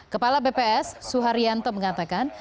kepala bps suharyanto mengatakan